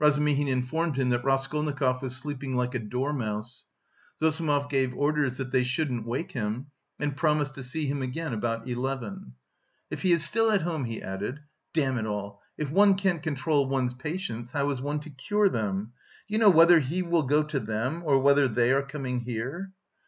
Razumihin informed him that Raskolnikov was sleeping like a dormouse. Zossimov gave orders that they shouldn't wake him and promised to see him again about eleven. "If he is still at home," he added. "Damn it all! If one can't control one's patients, how is one to cure them? Do you know whether he will go to them, or whether they are coming here?"